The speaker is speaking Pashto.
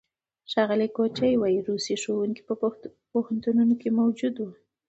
ښاغلي کوچي وايي، روسي ښوونکي پوهنتونونو کې موجود وو.